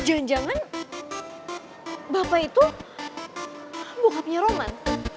jangan jangan bapak itu bokapnya roman